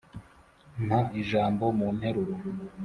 mpa ijambo mu nteruro.